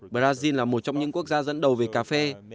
brazil là một trong những quốc gia dẫn đầu về cà phê